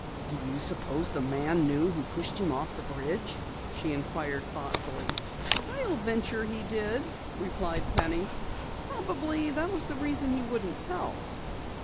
"Do you suppose the man knew who pushed him off the bridge?" she inquired thoughtfully. "I'll venture he did," replied Penny. "Probably that was the reason he wouldn't tell."